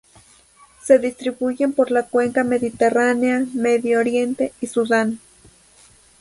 Se distribuyen por la cuenca mediterránea, Medio Oriente y Sudán.